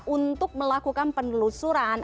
untuk melakukan penelusuran